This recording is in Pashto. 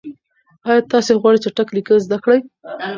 آیا تاسو غواړئ چټک لیکل زده کړئ؟